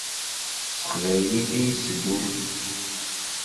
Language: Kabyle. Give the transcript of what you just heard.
S teqbaylit i iteddu uselkim-im?